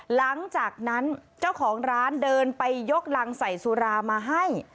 หลังจากนั้นเจ้าของร้านเดินไปยกรังใส่สุรามาให้